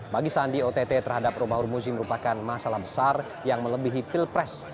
bagi sandi ott terhadap romahur muzi merupakan masalah besar yang melebihi pilpres